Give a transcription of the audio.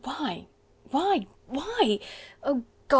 why? why?... Oh God!